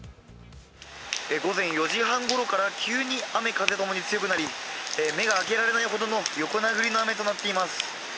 午前４時半ごろから急に雨風が強くなり目が開けられないほどの横殴りの雨となっています。